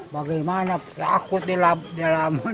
bagaimana takut di dalam